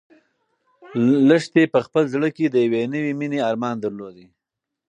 لښتې په خپل زړه کې د یوې نوې مېنې ارمان درلود.